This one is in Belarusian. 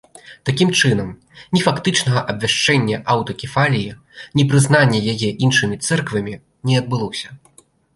Такім чынам, ні фактычнага абвяшчэння аўтакефаліі, ні прызнання яе іншымі цэрквамі не адбылося.